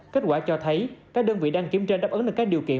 kết quả cho thấy các đơn vị đăng kiểm trên đáp ứng được các điều kiện